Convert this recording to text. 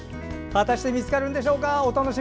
果たして見つかるんでしょうか。